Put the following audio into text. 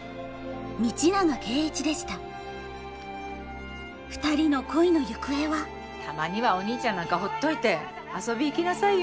道永圭一でしたたまにはお兄ちゃんなんかほっといて遊び行きなさいよ。